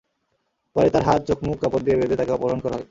পথে তার হাত, চোখমুখ কাপড় দিয়ে বেঁধে তাকে অপহরণ করা হয়।